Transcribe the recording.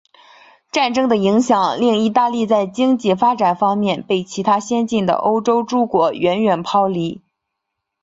战争的影响令意大利在经济发展方面被其他先进的欧洲诸国远远抛离。